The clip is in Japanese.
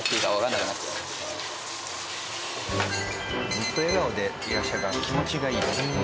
ずっと笑顔でいらっしゃるから気持ちがいいですね。